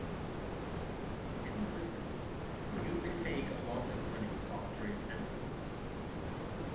And listen: you can make a lot of money doctoring animals.